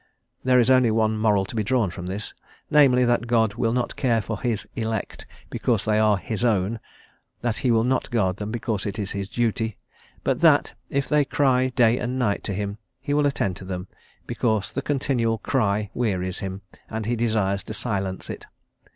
There is only one moral to be drawn from this, namely, that God will not care for his "elect," because they are "his own;" that he will not guard them, because it is his duty; but that, if they cry day and night to him, he will attend to them, because the continual cry wearies him, and he desires to silence it.